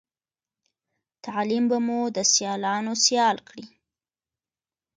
تعليم به مو د سیالانو سيال کړی